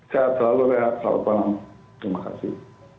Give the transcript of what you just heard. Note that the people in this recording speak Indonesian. sehat selalu rehat selamat malam terima kasih